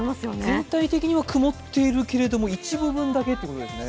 全体的には曇っているけれど一部分だけということですね。